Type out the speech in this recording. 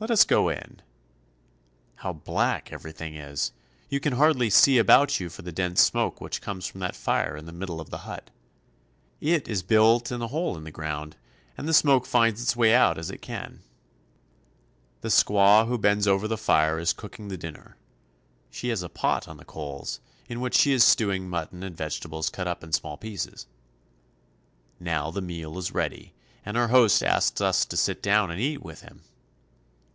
Let us go in. How black everything is! You can hardly see about you for the dense smoke which comes from that fire in the middle of the hut. It is built in a 142 CHILE. hole in the ground, and the smoke finds its way out as it can. The squaw who bends over the fire is cooking the din ner. She has a pot on the coals, in which she is stewing mutton and vegetables cut up in small pieces. Now the meal is ready, and our host asks us to sit down and eat with him.